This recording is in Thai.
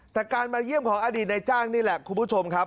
จากการมาเยี่ยมของอดีตในจ้างนี่แหละคุณผู้ชมครับ